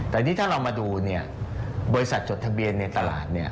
แต่ถ้าเรามาดูบริษัทจดทะเบียนในตลาด